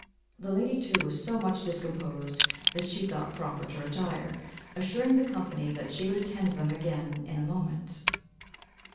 The lady too was so much discomposed, that she thought proper to retire, assuring the company that she would attend them again in a moment.